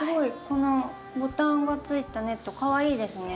このボタンがついたネットかわいいですね。